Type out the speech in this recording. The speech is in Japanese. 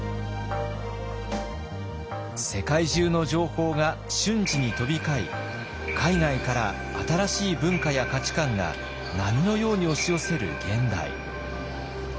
世界中の情報が瞬時に飛び交い海外から新しい文化や価値観が波のように押し寄せる現代。